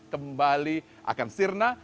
kembali akan sirna